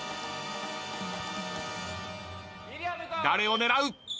［誰を狙う？］